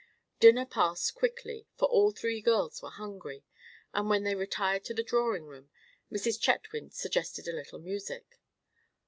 Dinner passed quickly, for all three girls were hungry; and when they retired to the drawing room Mrs. Chetwynd suggested a little music.